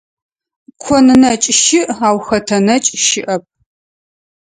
Кон нэкӀ щыӀ, ау хэтэ нэкӀ щыӀэп.